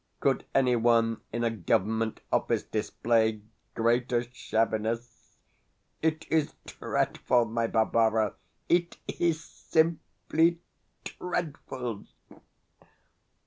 Could anyone in a government office display greater shabbiness? It is dreadful, my Barbara it is simply dreadful!